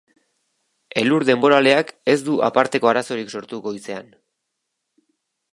Elur denboraleak ez du aparteko arazorik sortu goizean.